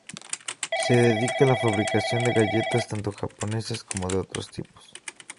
Se dedica a la fabricación de galletas tanto japonesas como de otros tipos.